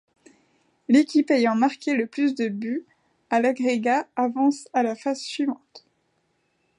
L'équipe ayant marqué le plus de buts à l'agrégat avance à la phase suivante.